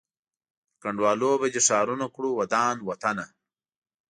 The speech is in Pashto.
پر کنډوالو به دي ښارونه کړو ودان وطنه